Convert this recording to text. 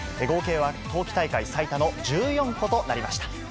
合計は冬季大会最多の１４個となりました。